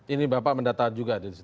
ini bapak mendata juga dari situ